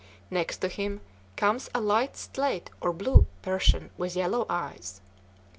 Next to him comes a light slate or blue Persian, with yellow eyes.